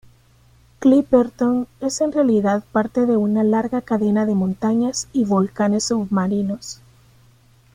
Clipperton es en realidad parte de una larga cadena de montañas y volcanes submarinos.